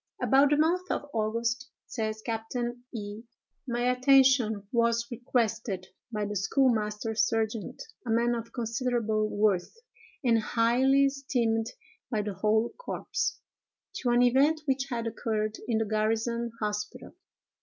"About the month of August," says Captain E——, "my attention was requested by the schoolmaster sergeant, a man of considerable worth, and highly esteemed by the whole corps, to an event which had occurred in the garrison hospital.